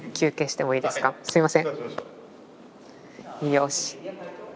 よし！